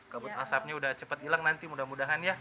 kebut asapnya udah cepet hilang nanti mudah mudahan ya